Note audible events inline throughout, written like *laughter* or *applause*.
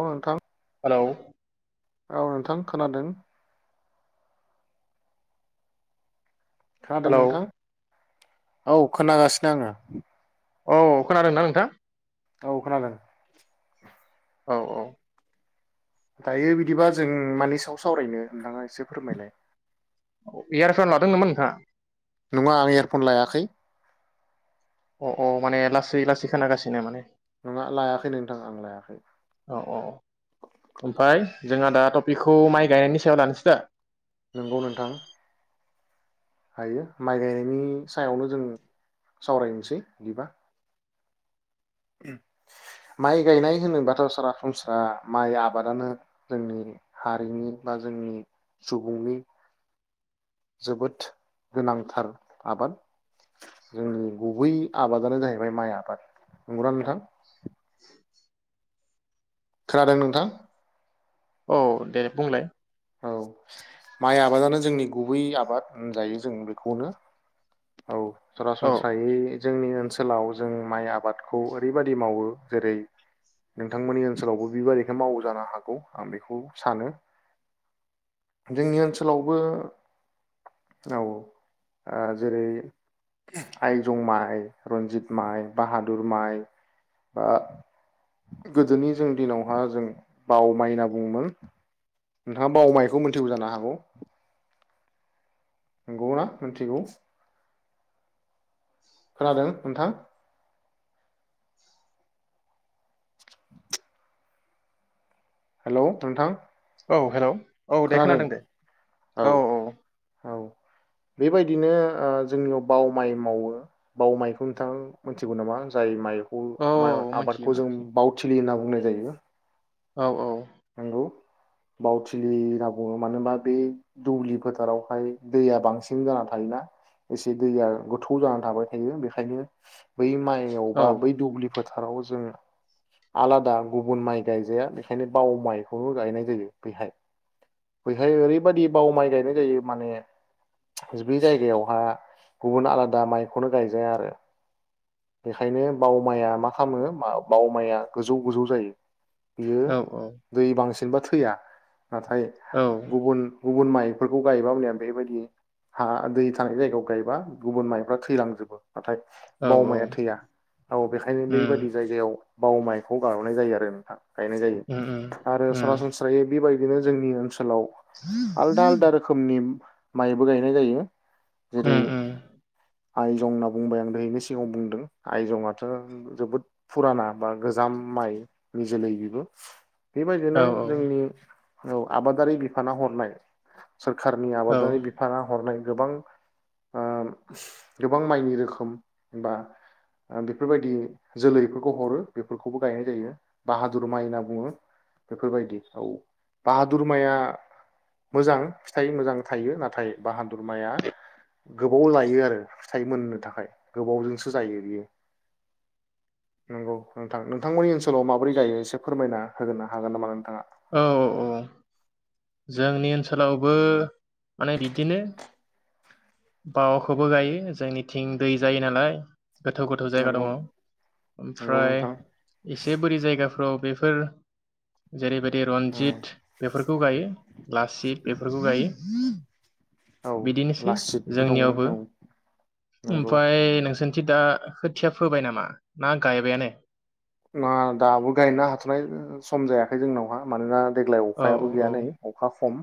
औ नोंथां। हेलौ औ नोंथां खोनादों। खोनादों हेलौ नोंथां? औ खोनागासिनो आङो। औ खोनादोंना नोंथां? औ खोनादों। औ औ दायो बिदिबा जों मानि सायाव सावरायनो नोंथाङा एसे फोरमायलाय। एयारफन लादों नामा नोंथाङा? नङा आं एयारफन लायाखै। अ अ माने लासै लासै खोनागासिनो माने। नङा लायाखै नोंथां आं लायाखै। औ औ ओमफ्राय जोंहा दा टपिकखौ माइ गायनायनि सायाव लानोसै दा? नंगौ नोंथां। हायो माइ गायनायनि सायावनो जों सावरायनोसै बिदिबा। माइ गायनाय होनोबाथ' सरासनस्रा माइ आबादानो जोंनि हारिनि बा जोंनि सुबुंनि जोबोद गोनांथार आबाद जोंनि गुबै आबादानो जाहैबाय माइ आबाद नंगौना नोंथां? खोनादों नोंथां! औ दे बुंलाय औ माइ आबादानो जोंनि गुबै आबाद होनजायो जों बेखौनो औ औ सरासनस्रायै जोंनि ओनसोलाव जों माइ आबादखौ ओरैबादि मावो जेरै नोंथांमोननि ओनसोलावबो बिबा मावो जानो हागौ आं बेखौ सानो जोंनि ओनसोलावबो औ ओ जेरै आइजं माइ रन्जित माइ बाहादुर माइ बा गोदोनि जों दिनावहा जों बाव माइ होनना बुङोमोन। नोंथाङा बाव माइखौ मोनथिबो जानो हागौ नंगौना मोन्थिगौ खोनादों नोंथां? हेलौ नोंथां औ हेलौ औ दे खोनादों दे औ औ औ बेबायदिनो ओ जोंनियाव बाव माइ मावो बाव माइखौ नोंथाङा मोन्थिगौ नामा जाय माइ औ *unintelligible* माइ मोनथियो आबादखौ जों मोनथियो बावथिलि होनना बुंनाय जायो। औ औ नंगौ बावथिलि होनना बुङो मानो होनबा बे दौलि फोथारावहाय दैया बांसिन जाना थायोना एसे दैया गोथौ जानानै थाबाय थायो बेखायनो बै औ माइआवबा बै दुब्लि फोथा थाराव जों आलादा गुबुन माइ गायजाया बेखायनो बाव माइखौनो गायनाय जायो बैहाय बेैहाय ओरैबायाददि बाव माइ गायनाय जायो माने बे जायगायावहा गुबुन आलादा माइखौनो गायजाया आरो बेखायनो बावमाया मा खामो बावमाया गोजौ गोजौ जायो। बियो औ दै बांसिन जेनेबा थैया नाथाय औ गुबुन गुबुन माइफोरखौ गायोबा *unintelligible* बेबायदि हा दै थानाय जायगायाव गायोबा गुबुन माइफ्रा थैलांजोबो नाथाय औ बावमाया थैया औ बेखायनो उम बैबादि जायगायाव बाव माइखौ गार'नाय जायो आरो नोंथां। गायनाय जायो उम आरो उम सरासनस्रायै बेबायदि बेनो जों ओनसोल ओनसोलाव आलदा आलदा रोखोमनि माइबो गायनाय जायो। जेरै उम उम आइजं होनना बुंबाय आं दोहैबो सिगाङाव बुंदों आयजंआथ' जोबोद फुराना बा गोजाम माइनि जोलै बेबो। बेबायदिनो औ जोंनि औ आबादारि बिफाना हरनाय सोरखारनि औ आबादारि बिफाना हरनाय गोबां ओ गोबां माइनि रोखोम बा बेफोरबायदि जोलैफोरखौ हरो बेफोरखौबो गायनाय जायो बाहादुर माइ होनना बुङो बेफोरबायदि औ बाहादुर माइया मोजां फिथाइ मोजां थायो नाथाय बाहादुर माया गोबाव लायो आरो फिथाइ मोननो थाखाय गोबावजोंसो जायो बियो। नंगौ नोंथां नोंथांमोननि ओनसोलाव माबोरै गायो एसे फोरमायना होग्रोनो हागोन नामा नोंथाङा। औ औ जोंनि ओनसोलावबो माने बिदिनो बावआखौबो गायो जोंनिथिं दै जायो नालाय। गोथौ गोथौ जायगा नंगौ दङ नंगौ ओमफ्राय नोंथां एसे बोरि जायगाफ्राव बे फोर जेरैबाय दि रनजित बेफोरखौ गायो। लासित बेफोरखौ गायो। ओ औ बिदिनोसै लासितबो दंमोन जोंनियावबो औ नंगौ ओमफ्राय नोंसोरनि थि दा खोथिया फोबाय नामा ना गायबायानो? मा दाबो गायनो हाथ'नाय सम जायाखै जोंनावहा मानोना देग्लाय औ अखायाबो गैया औ नै अखा खम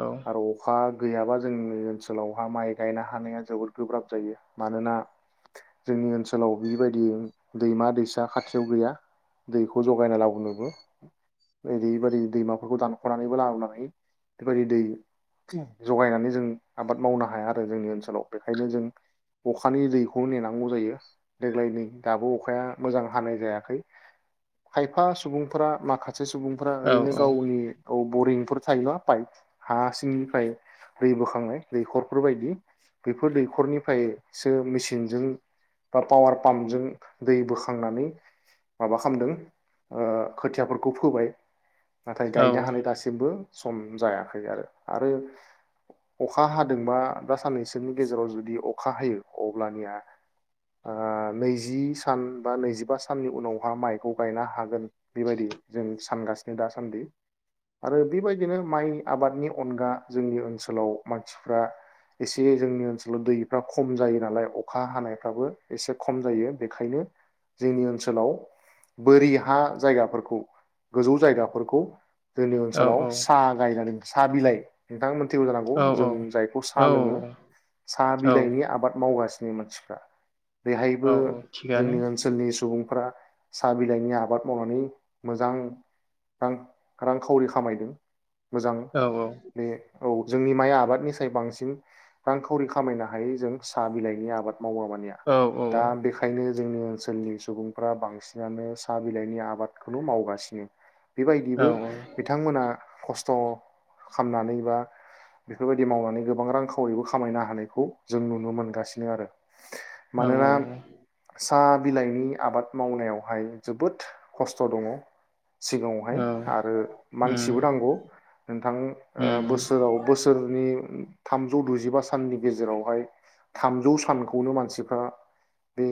औ आरो अखा गैयाबा जोंनि ओनसोलावहा माइ गायनो हानाया जोबोद गोब्राब जायो मानोना जोंनि ओनसोलाव बेबायदि दैमा दैसा खाथि याव गैया दैखौ जगायना लाबोनोबो बेदिबादि दैमाफोरखौ दानखनानैबो लाबोनानै बेबायदि दै जगायनानै जों आबाद मावनो हाया आरो जोंनि ओनसोलाव बेखायनो जों अखानि दैखौ नेनांगौ जायो देग्लाय नै दाबो अखाया मोजां हानाय जायाखै खायफा सुबुंफोरा माखा से सुबुंफ्रा औ ओरैनो गावनि औ बरिं फोर थायोबा पाइप हा सिंनिफ्राय दै बोखांनाय दैख'रफोर बायदि बेफोर दैख'रनिफायसो मेसिनजों बा पावार पाम्पजों दै बोखां खांनानै माबा खामदों ओ खोथियाफोरखौ फोबाय। नाथाय औ गायनो हानाय दासिमबो सम जायाखै आरो आरो अखा हादोंबा दा साननैसोनि गेजेराव जुदि अखा हायो अब्लानिया ओ नैजि सान बा नैजिबा साननि उनावहा माइखौ गायनो हागोन। बेबायदि जों सानगासिनो। दासान्दि आरो बेबायदिनो माइ आबादनि अनगा जोंनि ओनसोलाव मानसिफ्रा एसे जोंनि ओनसोलाव दैफ्रा खम जायो नालाय अखा हानायफ्राबो एसे खम जायो बेखायनो जोंनि ओनसोलाव बोरि हा जायगाफोरखौ गोजौ जायगाफोरखौ जोंनि औ ओनसोलाव साहा गायनानै सा बिलाइ नोंथांमोन थिगौ जानांगौ औ जों जायखौ साहा औ लोङो साहा औ बिलाइनि आबाद मावगासिनो। जोंनि मानसिफ्रा बेहायबो औ थिगानो जोंनि ओनसोल सुबुंफोरा साहा बिलाइनि आबाद मावनानै मोजां रां रांखावरि खामायदों। मोजां औ औ बे औ जोंनि माइ आबादनिसाय बांसिन रांखावरि खामायनो हायो जों साह बिलाइनि आबाद औ औ *unintelligible* दा बेखायनो जोंनि ओन सोलनि सुबुंफ्रा बांसिनानो साहा बिलाइनि आबादखौनो मावगासिनो। बेबायदिबो औ बिथांमोना खस्थ' खामनानै बा बेफोरबायदि मावनानै गोबां रां खावरिबो खामायनो हानायखौ जों नुनो मोनगासिनो आरो औ औ मानोना औ। *unintelligible* बिलाइनि आबाद मावनायावहाय जोबोद खस्थ' दङ। सिगाङावहाय औ आरो उम मानसिबो नांगौ नोंथां ओ उम बोसोराव बोसोरनि थामजौ दजिबा साननि गेजेरावहाय थामजौ सानखौनो मानसिफ्रा बे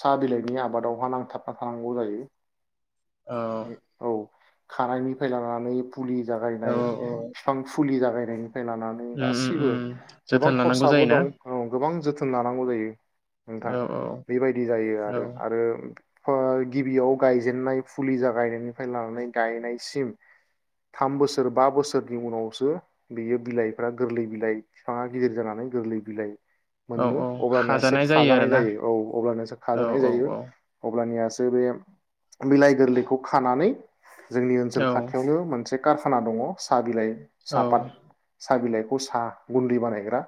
साहा बिलाइनि आबादावहा नांथाबना थानांगौ जायो। औ। खानायनिफाय लानानै फुलि जागायनाय औ उम बिफां फुलि जा *unintelligible* लानानै उम गासिबो उम गोबां जोथोन लानांगौ खरसाबो जायोना दं औ गोबां जोथ थोन लानांगौ जायो नोंथां औ औ बेबायदि जायो औ आरो आरो *unintelligible* गिबियाव गायजेननाय फुलि जागायनायनिफ्राय लानानै गायनायसिम थाम बोसोर बा बोसोरनि उनावसो बेयो बिलाइफ्रा गोरलै बिलाइ बिफाङा गिदिर जानानै गोरलै बिलाइ औ मोनो औ अब्लानियासो हाजानाय जायो खाजानाय आरोना जायो औ अब्लानियासो औ खाजानाय औ जायो। औ अब्लानियासो बे बिलाइ गोरलैखौ खानानै जोंनि ओनसोल औ खाथियावनो मोनसे कारखाना दङ साह बिलाइ औ साहपात साह बिलाय खौ साह गुन्दै बानायग्रा।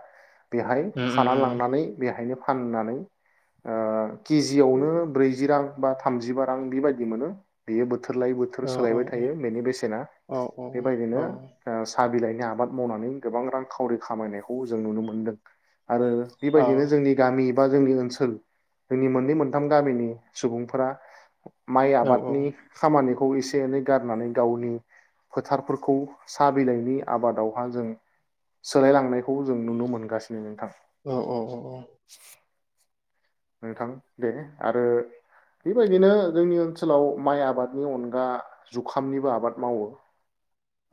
बेहाय उम उम खाना उम लांनानै बेहायनो फाननानै ओ किजियावनो ब्रैजि रां बा थामजिबा रां बेबायदि मोनो। बेयो थोर लायै बोथोर औ सोलायबाय औ थायो बेनि बेसेना औ औ बेबायदिनो ओ सा बिलाइन आबाद मावनानै गोबां रां खावरि खामायनायखौ जों नुनो मोनदों। आरो बेबायदिनो जोंनि गामि। बा जोंनि ओनसोल। जोंनि मोननै मोनथाम गामिनि सुबुंफोरा। माइ औ आबादनि खामानि खौ एसे-एनै गारनानै गावनि फोथारफोरखौ साहा बिलाइनि आबादावहा जों सोलायलांनायखौ जों नुनो मोनगासिनो नोंथां। उम नोंथां दे आरो बेबायदिनो जोंनि ओनसोलाव माइ आबादनि अनगा जुखामनिबो आबाद मावो।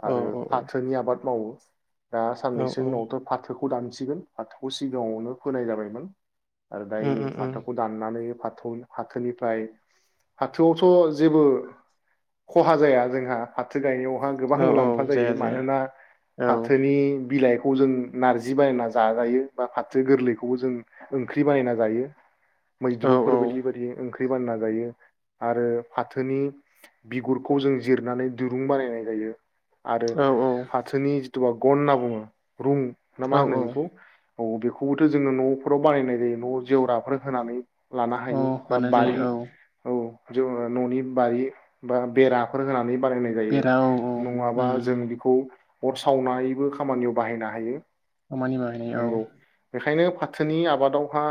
आरो फाथोनि आबाद मावो। *unintelligible* दा साननैसो उनावथ' फाथोखौ। खौ दानसिगोन आठखौ सिगाङावनो फोनाय जाबायमोन। आरो दायनिं। उम उम फाथोखौ दाननानै फा थौलि फाथोनिफ्राय, हाथोआवथ' जेबो खहा जाया जोंहा हाथो गायनायाव। आं गोबां औ मुलाम्फा औ जाया जायो जाया मानोना औ फाथोनि बिलाइ खौ जों नारजि बायना जाजायो बा फाथो गोरलैखौबो जों ओंख्रि बायना जायो। औ मैद्रुफोर औ बायदि बायदि ओंख दै बानना जायो आरो फाथोनि बिगुरखौ जों जिरनानै दिरुं बानायनाय जायो।। आरो औ फाथोनि दुवा गनना बुङो रुं। ना मा होनो औ बिखौ? औ बेखौबोथ' जोङो न'फोराव बानायनाय जायो न' जेवराफोर। होनानै। लानो हायो औ बा होनाय जायो बारि औ औ। ज न'नि बारि बा बेराफोर होनानै बानायनाय जायो, बेरा औ औ नङाबा जों उम बेखौ अर सावनायबो खामानियाव बाहायनो हायो। खामानि बाहायनाय औ। नंगौ बेखायनो फाथोनि आबादावहा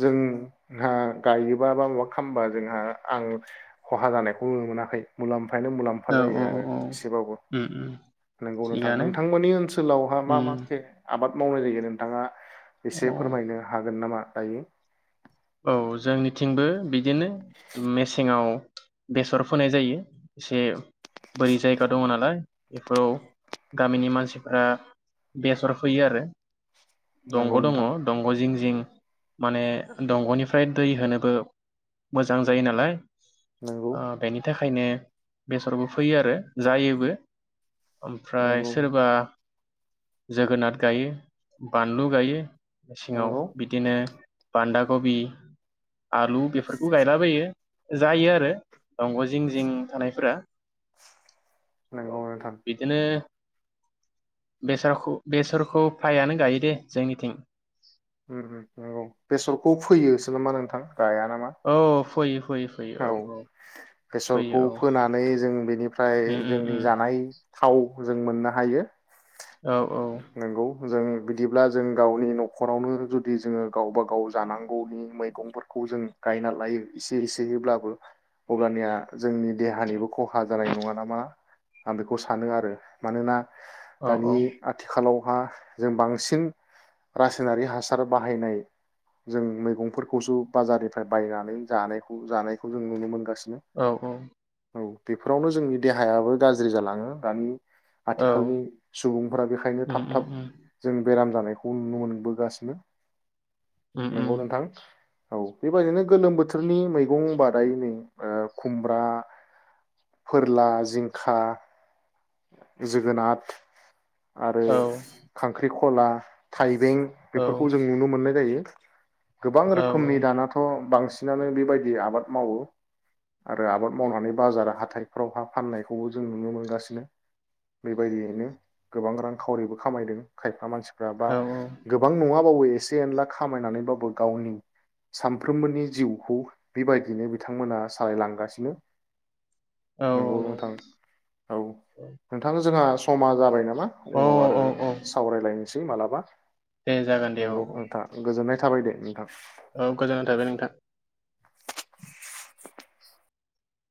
जोंहा गायोबा बा माबा खालामबा जोंहा आं खहा जानायखौ नु मोनाखै मुलाम्फ फायानो मुलाम्फा औ जायो औ आरो औ एसेबाबो उम उम नोंगौ नोंथां थिगानो नोंथांमोननि ओनसोलावहा मा उम मा पे आबाद मावनाय जायगोन नोंथाङा। एसे औ फोरमायनो हागोन नामा? दायो। औ जोंनिथिंबो बिदिनो मेसेङाव बेसर फोनाय जायो एसे बोरि जायगा दङ नालाय बेफोराव गामिनि मानसिफोरा बेसर फोयो आरो। नंगौ दंग' दङ नोंथां दंग' जिं जिं माने दंग'निफ्राय दै होनोबो मोजां जायो नालाय नंगौ ओ बेनिथाख खायनो बेसरबो फैयो आरो जायोबो। ओमफ्राय नंगौ सोरबा जोगोनार गायो, बानलु गायो। मेसेङाव नंगौ बिदिनो बान्दा कबि आलु बेफोरखौ गायलाबायो। जायो आरो दंग' जिं जिं थानायफोरा। नंगौ नोंथां‌। बेसरख-बेसरखौ फ्रायानो गायो दे जोंनिथिं। ओं ओं नंगौ बेसरखौ फैयोसो नमा नोंथां? गाया नामा? फोयो। औ बेसरखौ फोनानै जों बेनिफ्राय जोंनि जानाय थाव जों मोननो हायो। औ औ नोंगौ जों बिदिब्ला जों गावनि न'खरावनो जुदि जोङो गावबा गाव जानांगौनि मैगंफोरखौ जों गायना लायो एसे एसेयैब्लाबो अब्लानिया जोंनि देहानिबो खहा जानाय नङा नामा आं बेखौ सानो आरो मानोना औ दानि औ आथिखालावहा जों बांसिन रासायनारि हासार बाहायनाय जों मैगंफोरखौसो बाजारनिफ्राय बायनानै जानायखौ जानायखौ जों नुनो मोनगासिनो। औ औ औ बेफोरावनो जोंनि देहायाबो गाज्रि जालाङो दानि औ आथिखालनि सुबुं फोरा बेनिखायनो उम थाब थाब उम जों बेराम जानायखौ नुनो मोनबोगासिनो। नंगौ उम नोंथां। औ बेबायाददिनो गोलोम बोथोरनि मैगं बादायै नै खुमब्रा, फोरला, जिंखा, जोगोनाथ आरो औ खांख्रिख' ला, थाइ बें औ बेफोरखौ जों नुनो मोननाय जायो गोबां औ रोखोमनि दानाथ' बांसिन। बिसिनानो बेबायदि आबाद मावो आरो आबाद मावनानै बाजार हाथाइफ्रावहा फाननायखौबो जों नुनो मोनगासिनो बेबायदियैनो गोबां रां खावरिबो खामायदों खायफा मानसि बा औ गोबां नङा। औ एसे एनला खामायनानैबाबो गावनि सानफ्रोमबोनि जिउखौ बेबायदिनो बिथांमोना सालायलांगासिनो। औ नंगौ उम उम नोथां औ उम नोंथां जोंहा। समा जाबाय नामा। उम उम औ औ उनाव औ आरो औ सावरायदिनि मालाबा दे जागोन दे औ नंगौ नोंथां *unintelligible* दे नोंथां औ गोजोननाय थाबाय नोंथां